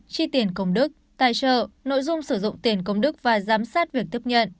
chi tiền công đức tài trợ nội dung sử dụng tiền công đức và giám sát việc tiếp nhận